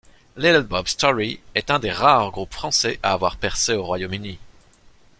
Little Bob Story est un des rares groupes français à avoir percé au Royaume-Uni.